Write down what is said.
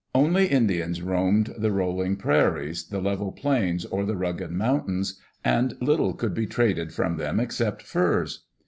Only Indians roamed the rolling prairies, the level plains, or the rugged mountains, and little could be traded from them except furs.